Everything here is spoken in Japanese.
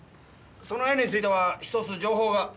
その絵についてはひとつ情報が。